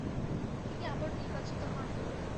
তিনি আবারো নির্বাচিত হন।